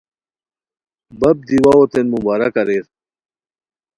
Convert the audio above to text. بپ دی واؤو تین مبارک اریر